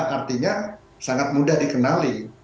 artinya sangat mudah dikenali